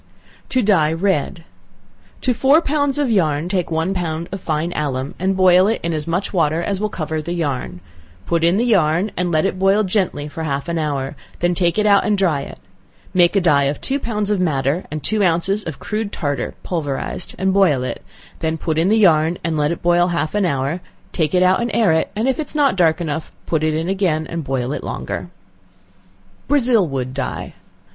To Dye Red. To four pounds of yarn, take one pound of fine alum, and boil it in as much water as will cover the yarn; put in the yarn, and let it boil gently half an hour; then take it out and dry it; make a dye of two pounds of madder, and two ounces of crude tartar pulverized, and boil it; then put in the yarn, and let it boil half an hour; take it out and air it, and if it is not dark enough, put it in again, and boil it longer. Brazil Wood Dye.